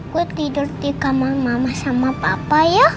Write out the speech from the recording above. gue tidur di kamar mama sama papa ya